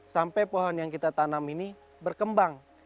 sampai pohon yang kita tanam ini berkembang